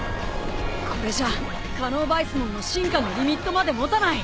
これじゃカノーヴァイスモンの進化のリミットまで持たない。